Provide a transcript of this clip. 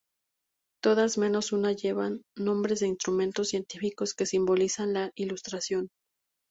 Todas menos una llevan nombres de instrumentos científicos que simbolizaban la Ilustración.